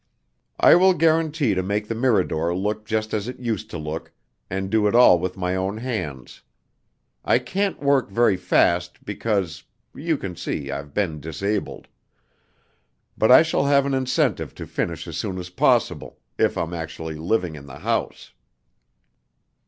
I will guarantee to make the Mirador look just as it used to look, and do it all with my own hands. I can't work very fast, because you can see, I've been disabled. But I shall have an incentive to finish as soon as possible, if I'm actually living in the house."